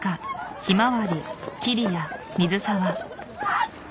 あった！